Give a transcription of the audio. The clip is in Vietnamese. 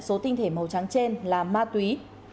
số tinh thể màu trắng trên là ma túy